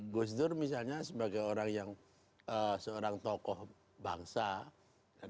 gus dur misalnya sebagai orang yang seorang tokoh bangsa